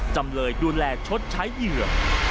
จำเลยดูแลชดใช้เหยื่อ